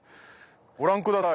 ご覧ください。